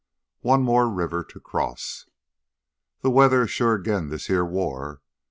9 One More River To Cross "The weather is sure agin this heah war.